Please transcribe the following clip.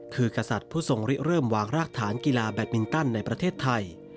คือกษัตริย์ผู้ทรงเริ่มวางรากฐานกีฬาแบตมินตันในประเทศไทย